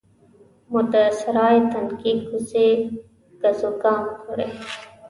مو د سرای تنګې کوڅې ګزوګام کړې.